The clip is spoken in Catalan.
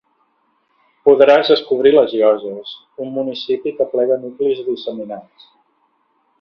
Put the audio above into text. Podràs descobrir les Llosses, un municipi que aplega nuclis disseminats.